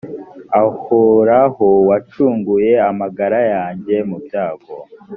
ahoraho wacunguye amagara yanjye mu byago